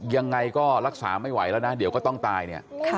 ยังไงก็รักษาไม่ไหวแล้วนะเดี๋ยวก็ต้องตายเนี่ย